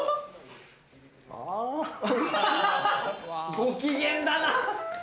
ご機嫌だな！